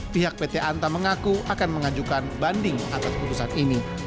pihak pt antam mengaku akan mengajukan banding atas putusan ini